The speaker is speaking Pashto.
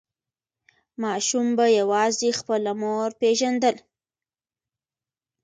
ماشوم به یوازې خپله مور پیژندل.